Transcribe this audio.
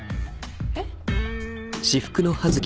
えっ？